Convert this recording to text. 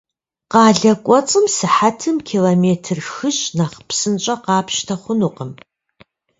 Къалэ кӏуэцӏым сыхьэтым километр хыщӏ нэхъ псынщӏэ къапщтэ хъунукъым.